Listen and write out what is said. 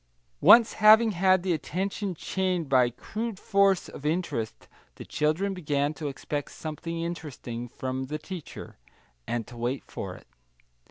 Once having had the attention chained by crude force of interest, the children begin to expect something interesting from the teacher, and to wait for it.